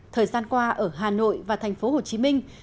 thời gian qua ở hà nội và thành phố hồ chí minh